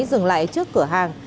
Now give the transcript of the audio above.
dừng lại trước cửa hàng